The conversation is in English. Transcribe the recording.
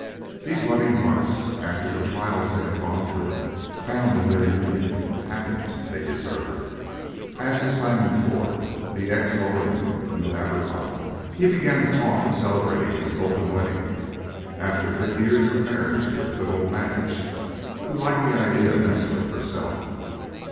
These loving hearts, after the trials they had gone through found in their union the happiness they deserved. As to Simon Ford, the ex overman of New Aberfoyle, he began to talk of celebrating his golden wedding, after fifty years of marriage with good old Madge, who liked the idea immensely herself.